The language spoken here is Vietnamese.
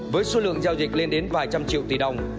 với số lượng giao dịch lên đến vài trăm triệu tỷ đồng